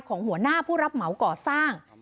หัวหน้าผู้รับเหมาก่อสร้าง